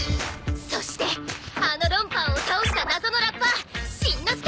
そしてあのロンパオを倒した謎のラッパーしんのすけ！